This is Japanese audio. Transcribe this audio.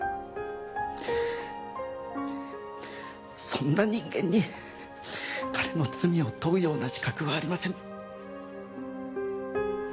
そんな人間に彼の罪を問うような資格はありません。